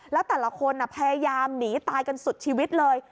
แล้วแต่ละคนพยายามหนีตายกันสุดชีวิตเลย